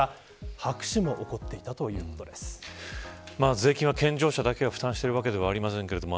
税金は健常者だけが負担しているわけではありませんけれども。